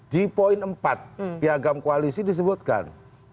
di poin empat piagam koalisi disebutkan